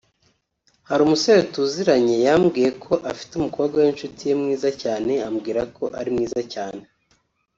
Hari umusore tuziranye yambwiye ko afite umukobwa w’inshuti ye mwiza cyane ambwira ko ari mwiza cyane